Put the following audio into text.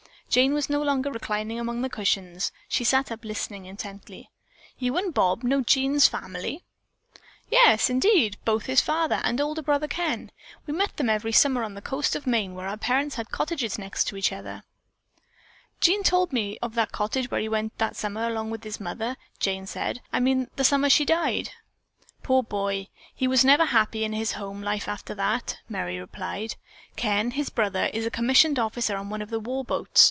Jane was no longer reclining among the cushions. She sat up, listening intently. "You and Bob know Jean's family?" "Yes, indeed, both his father and older brother Ken. We met them every summer on the coast of Maine, where our parents had cottages next to each other." "Jean told me of that cottage where he went that summer, alone with his mother," Jane said. "I mean the summer she died." "Poor boy! He never was happy in his home life after that," Merry replied. "Ken, his brother, is a commissioned officer on one of the war boats.